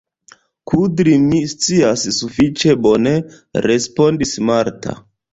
Kudri mi scias sufiĉe bone, respondis Marta.